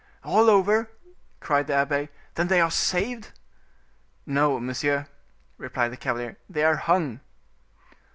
"All over!" cried the abbe. "Then they are saved?" "No, monsieur," replied the cavalier, "they are hung."